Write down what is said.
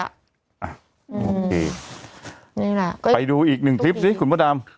อ่ะโอเคนี่แหละไปดูอีกหนึ่งคลิปสิคุณพระดำ